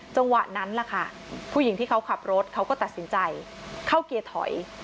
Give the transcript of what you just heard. จังหวะนั้นล่ะค่ะผู้หญิงที่เขาขับรถเขาก็ตัดสินใจเข้าเกียร์ถอย